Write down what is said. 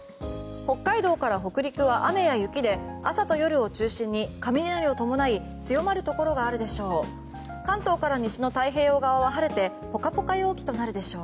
北海道から北陸は雨や雪で朝と夜を中心に雷を伴い強まるところがあるでしょう。